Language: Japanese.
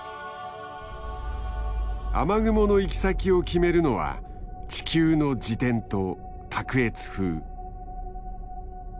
雨雲の行き先を決めるのは地球の自転と卓越風。